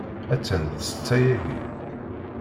Attan d ssetta yagi.